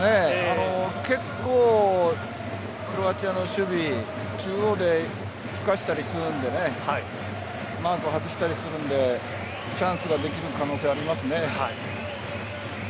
結構、クロアチアの守備中央で、すかしたりするのでマークを外したりするのでチャンスができる可能性ありますね。